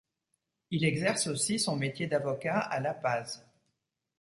Il exerce aussi son métier d'avocat à La Paz.